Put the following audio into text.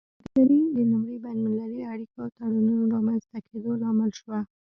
سوداګري د لومړي بین المللي اړیکو او تړونونو رامینځته کیدو لامل شوه